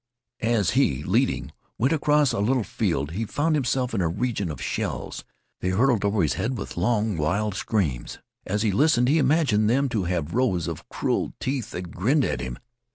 As he, leading, went across a little field, he found himself in a region of shells. They hurtled over his head with long wild screams. As he listened he imagined them to have rows of cruel teeth that grinned at him.